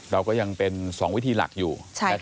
เราก็ยังเป็น๒วิธีหลักอยู่